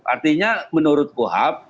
artinya menurut kuhap